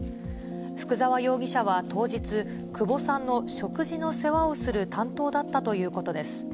福沢容疑者は当日、久保さんの食事の世話をする担当だったということです。